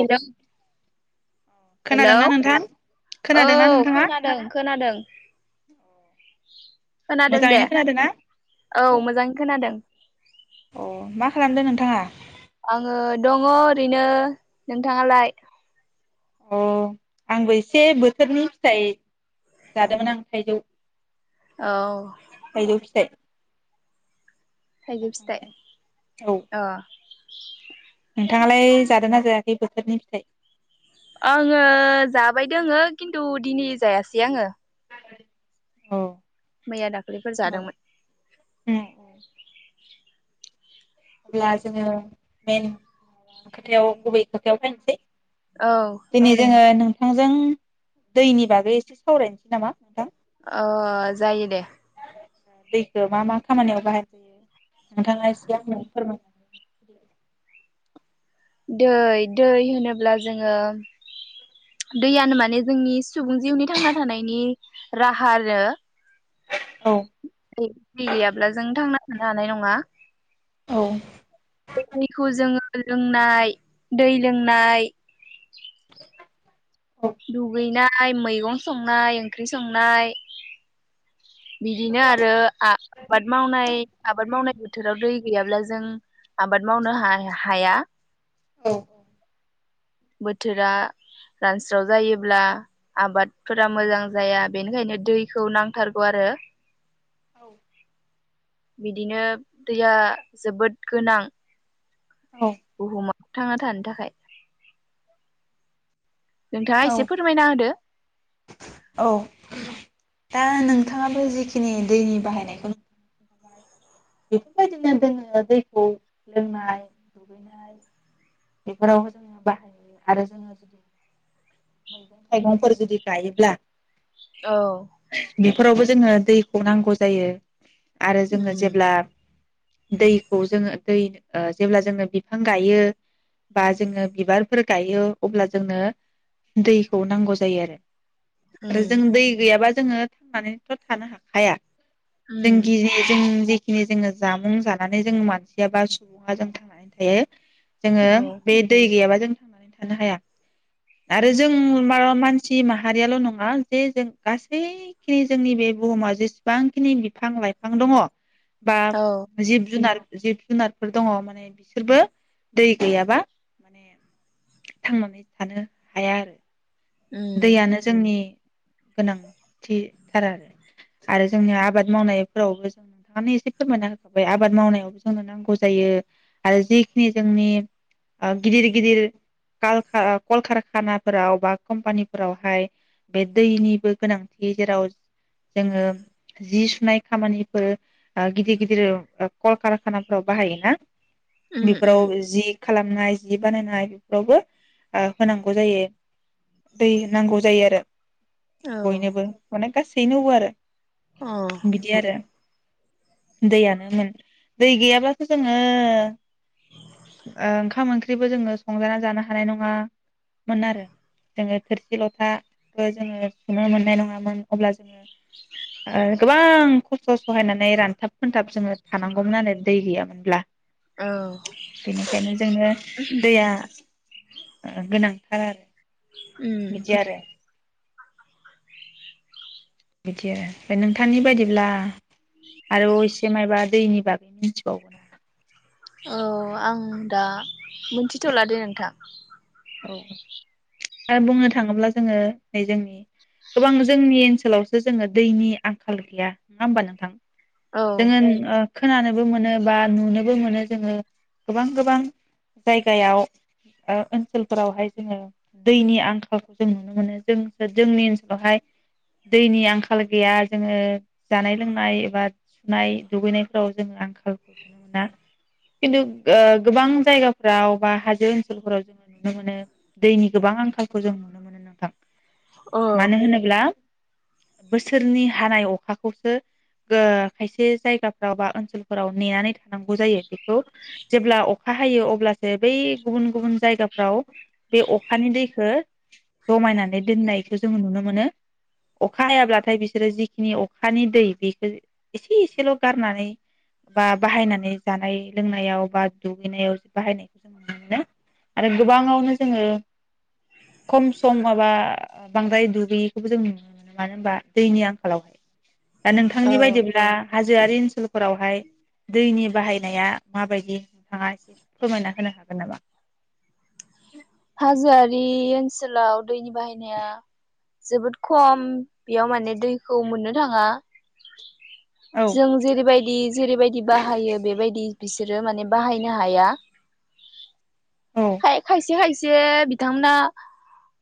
Hello hello खोनादोंना नोंथां औ खोनादोंना नोंथाङा खोनादों खोनादों खोनादों दे मोजाङैनो खोनादों ना औ मोजाङै खोनादों। खालामदो नोंथाङा? आङो दङ ओरैनो नोंथाङालाय? अ आंबो एसे बोथोरनि फिथाइ जादोंमोन आं थाइजौ औ। थाइजौ फिथाइ थाइजौ फिथाइ जाखांबाय औ अ नोंथाङालाय जादों ना जायाखै बोथोरनि फिथाइ? आङो जाबाय दोङो खिन्थु दिनै जायासै आङो। औ। मैया दाखालिफोर औ जादोंमोन। अब्ला जोङो मेन खोथायाव गुबै खोथायाव फैसै औ दिनै जोङो नोंथांजों दैनि बागै एसे सावरायनोसै नामा नोंथां? अ जायो दे। दैखौ मा मा खामानियाव बाहाय जायो। नोंथाङा एसे आंनो फोरमायनो दै दै होनोब्ला जोङो दैयानो माने जोंनि सुबुं जिउनि थांना थानायनि राहा आरो औ [unintelligible] अब्ला जों थांना थानो हानाय नङा। औ। दैखौ जोङो लोंनाय दै लोंनाय दुगैनाय, मैगं संनाय, ओंख्रि संनाय बिदिनो आरो आबाद मावनाय आबाद मावनाय बोथोराव दै गैयाब्ला जों आबाद मावनो हाया औ बोथोरा रान बस्राव जायोब्ला आबादफोरा मोजां जाया बेनिखायनो दैखौ नांथारगौ आरो औ। बिदिनो दैया जोबोद गोनां। औ बुहुमाव थांना थानो थाखाय। नोंथाङा औ एसे फोरमायना होदो। औ दा नोंथाङाबो जिखिनि दैनि बाहायनायखौ नु बेफोरबायदिनो जोङो दैखौ लोंनाय बेफोरावबो जोङो बाहायहयो आरो जोङो जुदि मैगं थाइगंफोर जुदि गायोब्ला औ। फोरावबो जोङो दैखौ नांगौ जायो। आरो जोङो जेब्ला दैखौ जोङो दै जेब्ला जोङो बिफां गायो बा जोङो बिबारफोर गायो अब्ला जोंनो दैखौ नांगौ जायो आरो आरो जों उम दै गैयाबा जोङो थांनानैथ थानो हाखाया जों उम गियो जों जिखिनि जोंङो जोंङो औ बे दै गैयाबा जों थांनानै थानो हाया आरो जों मा मानसि माहारियाल‌ नंङा जे जों गासैखिनि जोंनि बे बुहुमाव जेसेबांखिनि बिफां लाइफां दंङ। बा औ जिब जुनार। जिब जुनारफोर दंङ माने बिसोरबो दै गैयाबा माने थांनानै थानो। हाया आरो। उम दैयानो जोंनि। गोनांथि थार आरो आरो जोंनि आबाद मावनायफोरावबो जों नोंथांङानो एसे फोरमायना होखाबाय आबाद मावनायावबो जोंनो नांगौ जायो आरो जिखिनि जोंनि गिदिर गिदिर खालखा कलकारखानाफोराव बा। कम्पानिफोरावहाय बे दैनिबो गोनांथि जेराव जोंङो जि सुनाय खामानिफोर गिदिर गिदिर कलकारखानाफोराव बाहायो ना। उम उम बेफोराव जि। खालामनाय जि बानायनाय बेफोरावबो होनांगौ जायो। दै नांगौ जायो आरो। औ बयनोबो माने। गासैनोबो आरो। औ बिदि आरो। दैयानो मेन दै गैयाब्लाथो जोंङो ओंखाम ओंख्रिबो जोंङो संजाना जानो हानाय नंङामोन आरो। जोंङो थोरसि लथाखौ जोंङो सुनो मोननाय नङामोन अब्ला जोंङो गोबां खस्थ सहायनानै रानथाब खोनथाब जोंङो थानांगौमोन आरो दै गैयामोनब्ला। औ बेनिखायनो जोंनो दैया। गोनांथार आरो। उम। बिदि आरो बिदि आरो ओमफ्राय नोंथांनि बायदिब्ला। आरो असे मबा दैनि बाग। [unintelligible] मिथिबावगोन नामा? औ आं दा मोनथिथला दे नोंथां। औ आरो बुंनो थाङोब्ला जोंङो नै जोंनि गोबां जोंनि ओनसोलावसो जोंङो दैनि आंखाल गैया नंङा होमबा नोंथां। औ जोङों ओ खोनानोबो मोनो बा नुनोबो मोनो जोंङो गोबां गोबां जायगायाव ओनसोल। फोरावहाय जोंङो दैनि आंखालखौ जों नुनो मोनो जों जोंनि ओनसोलावहाय दैनि आंखाल गैया जोंङो जानाय लोंनाय एबा सुनाय दुगैनायफोराव जोङो आंखालखौ नुनो मोना खिन्थु गोबां जायगाफ्राव बा हाजो ओनसोलफोराव जोंङो। नुनो मोनो दैनि गोबां आंखालखौ जों नुनो मोनो नोंथां। औ मानो होनोब्ला। बोसोरनि हानाय अखाखौसो खायसे जायगाफ्राव बा ओनसोलफोराव नेनानै थानांगौ जायो बेखौ जेब्ला अखा हायो अब्लासो बै गुबुन गुबुन जायगा। फ्राव बे अखानि दैखौ जमायनानै दोननायखौ जोंङो नुनो मोनो अखा हायाब्लाथाय बिसोरो जिखिनि अखानि दै बेखौ एसे एसेल गारनानै बा बाहायनानै जानाय लोंनायाव बा दुगैनायाव बाहायनायखौ जों नुनो मोनो। आरो गोबाङावनो जोङो खम सम माबा बांद्राय दुगैयैखौबो जों नुनो मोनो मानो होनबा दैनि आंखालाव। दा नोंथांनि बायदिब्ला हाज जोआरि ओनसोलफोरावहाय दैनि बाहायनाया माबायदि नोंथाङा एसे फोरमायना होनो हागोन नामा हाजोआरि ओनसोलाव। दैनि बाहायनाया। जोबोद खम बेयाव माने दैखौ मोननो थाङा। औ जों जेरैबाय। दि जेरैबायदि बाहायो बेबायदि बिसोरो माने बाहायनो हाया। औ खाय खायसे खायसे से बिथांमोना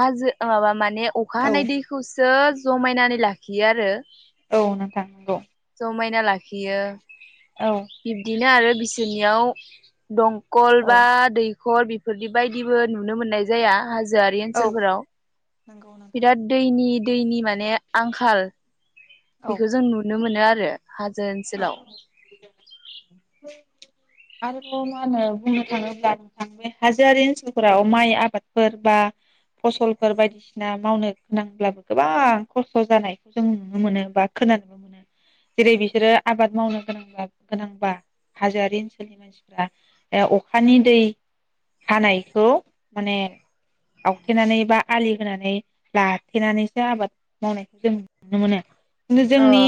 हाजो ओ माबा मा ने अखा औ हानाय दैखौसो जमायनानै लाखियो आरो। औ नोंथां नंगौ जमायना लाखियो। औ बिब्दिनो आरो बिसोरनियाव दं कल औ बा दै खर बेफोरदि बायदिबो नुनो मोननाय जाया हाजो जोयारि औ ओनसोलफोराव। नंगौ नोंथां बिराद दैनि दैनि माने आंखाल। औ बेखौ जों नुनो मोनो आरो हाजो ओनसोलाव। आरोबाव मा होनो बुंनो थाङोब्ला [unintelligible] हाजोआरि ओनसोलफोराव माइ आबादफोर बा फसलफोर बायदिसिना मावनो गोनांब्लाबो गोबां खस्थ' जानायखौ जों नुनो मोनो बा खोनानो [inaudible] जेरै बिसोरो आबाद मावनो गोनांबा गोनांबा हाजोआरि ओनसोलनि मानसिफ्रा अखानि दै हानायखौ माने आवथेनानै बा आलि होनानै लाथेनानैसो आबाद मावनायखौ जों नुनो मोनो। नो अ जोंनि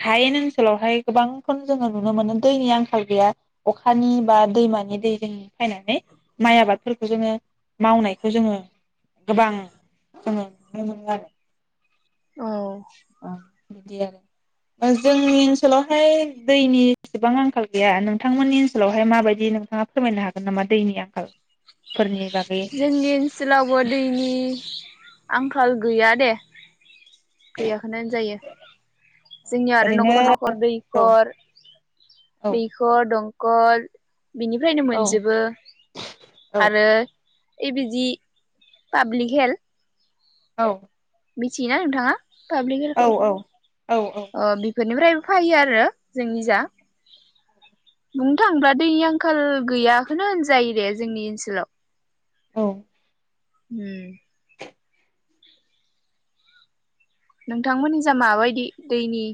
हायेन ओन सोलावहाय गोबांखौनो जोङो नुनो मोनो दैनि आं खाल गैया अखानि बा दैमानि दैजों फैनानै माइ आबादफोरखौ जोङो मावनायखौ जोङो गोबां जोङो नुनो मोनो आरो। औ ओं। बिदि आरो जोंनि ओनसोलावहाय दैनि बेसेबां आंखाल गैया नोंथांमोननि ओनसोलावहाय माबायदि नोंथाङा फोरमायनो हागोन नामा दैनि आंखालफोरनि बागै जोंनि ओनसोलावबो दैनि आंखाल गैया दे। गैयाखौनो जायो जोंनियाव आरो ओरैनो न'खर न'खर औ दैखर दैखर दं गल बिनिफ्रायनो औ मोनजोबो औ आरो ए बिदि पाब्लिक हेल्थ औ। मिथियोना नोंथाङा पाब्लिक औ औ औ औ। फोरनिफ्रायबो फैयो आरो जोंनि जा बुंनो थाङोब्ला दैनि आंखाल गैयाखौनो होनजायो दे जोंनि ओनसोलाव। औ उम। नोंथांमोननि जा माबायदि दैनि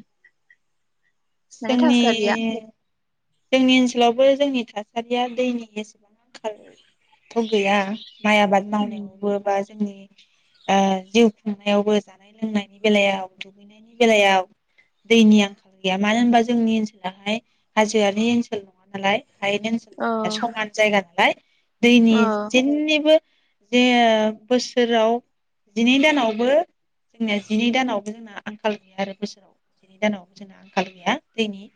माने जोंनि थासारिया जोंनि ओनसोलावबो जोंनि थासारिया दैनि एसेबां आंखाल थ' गैया माइ आबाद उम मावनायावबो बा जोंनि जिउ खुंनायावबो जानाय लोंनायनि बेलायाव दुगैनायनि बेलायाव दैनि आंखाल गैया मानो होनबा जोंनि ओनसोलाहाय हाजो हाजोनि ओनसोल नङा नालाय हायेन ओनसोल औ जोंनिया समान जायगा नालाय दैनि औ जेनिबो जे बोसोराव जिनै दानावबो जोंनिया जिनै दानावबो जोंना आंखाल गैया आरो बोसोराव जिनै दानावबो जोंना आंखाल गैया दैनि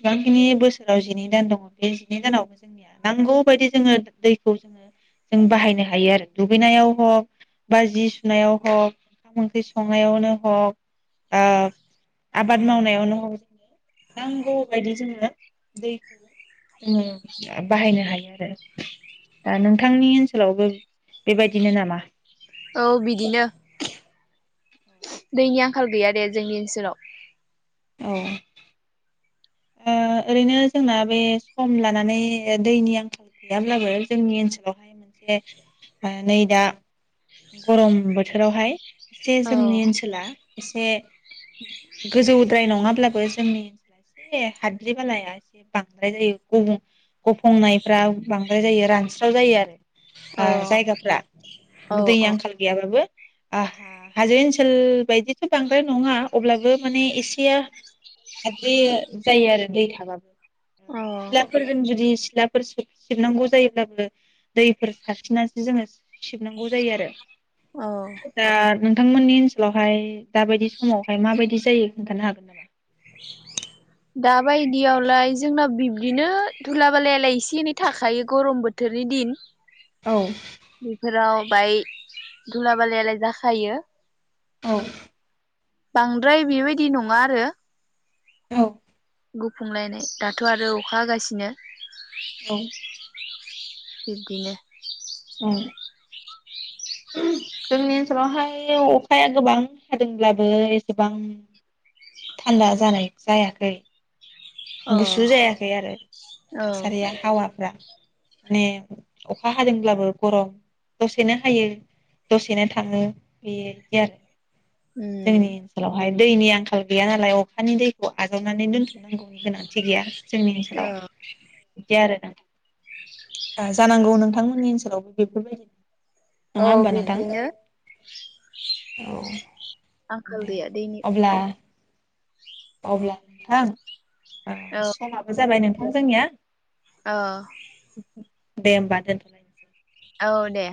बेसेबांखिनि बोसोराव जिनै दान दङ बे जिनै दानावबो जोंनिया नांगौ बायदि जोङो दैखौ जोङो जों बाहायनो हायो आरो दुगैनायाव हग बा जि सुनायाव हग ओंखाम ओंख्रि संनायावनो हग आबाद मावनायावनो हग जोंनि नांगौ बेबायदि जोङो दैखौ बाहायनो हायो आरो दा नोंथांनि ओनसोलावबो बेबायदिनो नामा औ बिदिनो दैनि आंखाल गैया दे जोंनि ओनसोलाव औ ओरैनो जोंना बे सम लानानै दैनि आंखाल गैयाब्लाबो जोंनि ओनसोलावहाय मोनसे नै दा गरम बोथोरावहाय जे औ जोंनि ओनसोला एसे गोजौद्राय नङाब्लाबो जोंनि ओनसो एसे हाद्रि बालाया एसे बांद्राय जायो गफंनायफ्रा बांद्राय जायो रानस्राव जायो औ आरो जायगाफ्रा औ दैनि आंखाल गैयाबाबो आहा हाजो ओनसोल बायदिथ' बांद्राय नङा अब्लाबो माने एसेया हाद्रि जायो आरो दै थाबाबो औ सिलाफोरजों जुदि सिलाफोर सिबनांगौ जायोब्लाबो दैफोर सारस्रिनानैसो जोङो सिब नांगौ जायो आरो औ दा नोंथांमोननि ओनसोलावहाय दाबायदि समावहाय माबायदि जायो खोन्थानो हागोन नामा दाबायदियावलाय जोंनाव बिब्दिनो धुला बालायालाय एसे एनै थाखायो गरम बोथोरनि दिन औ बेफोराव ओमाय धुला बालायालाय जाखायो औ बांद्राय बेबायदि नङा आरो औ गुफुंलायनाय दाथ' आरो अखा हागासिनो औ बिब्दिनो औ जोंनि ओनसोलावहाय अखाया गोबां हादोंब्लाबो एसेबां थान्दा जानाय जायाखै अ गुसु औ जायाखै आरो थासारिया हावाफ्रा माने अखा हादोंब्लाबो गरम दसेनो हायो दसेनो थाङो बेदि आरो जोंनि उम ओनसोलावहाय दैनि आंखाल गैया नालाय अखानि दैखौ आजावनानै दोनथ'नांगौ। गोनांथि गैया जोंनि ओनसोलाव औ बिदि आरो जानांगौ नोंथांमोननि ओनसोलावबो बेफोरबायदि औ नङा होमबा नोंथां बिब्दिनो औ आंखाल दे गैया दैनि अब्ला अब्ला नोंथां ओ समाबो जाबाय नों जोंनिया ओ दे होमबा दोनथ औ दे